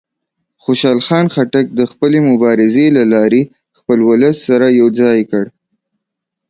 خوشحال خان خټک د خپلې مبارزې له لارې خپل ولس سره یو ځای کړ.